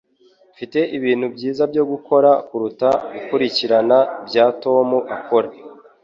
Mfite ibintu byiza byo gukora kuruta gukurikirana ibyo Tom akora.